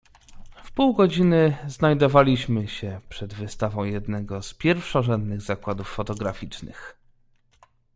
"W pół godziny znajdowaliśmy się przed wystawą jednego z pierwszorzędnych zakładów fotograficznych."